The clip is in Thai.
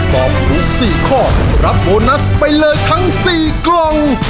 ตอบถูก๔ข้อรับโบนัสไปเลยทั้ง๔กล่อง